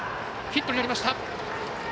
ヒットになりました。